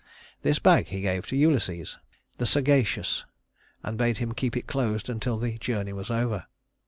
This bag he gave to Ulysses, "the sagacious," and bade him keep it closed until the journey was over.